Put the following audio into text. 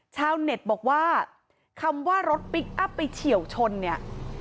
ชาวเน็ตบอกว่าคำว่ารถพลิกอัพไปเฉียวชนเนี่ย